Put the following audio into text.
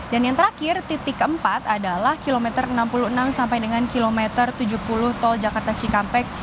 dan yang terakhir titik keempat adalah kilometer enam puluh enam sampai dengan kilometer tujuh puluh tol jakarta cikampeng